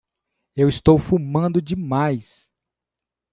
Eu estou fumando demais.